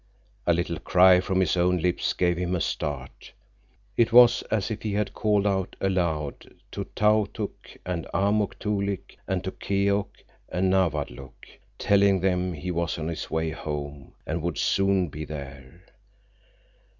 A little cry from his own lips gave him a start. It was as if he had called out aloud to Tautuk and Amuk Toolik, and to Keok and Nawadlook, telling them he was on his way home and would soon be there.